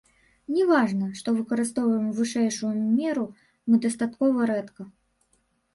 Не важна, што выкарыстоўваем вышэйшую меру мы дастаткова рэдка.